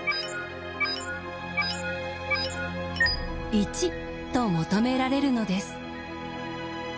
１と求められるのです。